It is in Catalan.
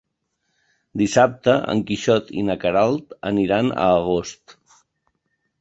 Dissabte en Quixot i na Queralt aniran a Agost.